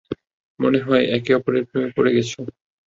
মনে হয় একে অপরের প্রেমে পড়ে গেছ।